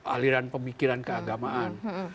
aliran pemikiran keagamaan